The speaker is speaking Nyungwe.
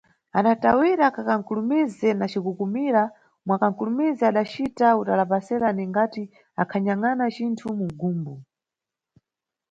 Adatawira kankakulumize na cikukumira, mwa kankulumize adacita utalapasera ningti akhanyangʼna cinthu mʼgumbu.